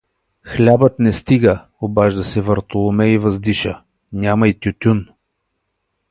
— Хлябът не стига — обажда се Вартоломей и въздиша. — Няма и тютюн!